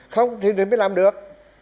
không thì mới làm được